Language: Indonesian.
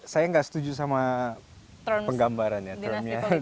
saya gak setuju sama penggambarannya